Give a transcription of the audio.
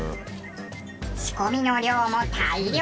仕込みの量も大量です！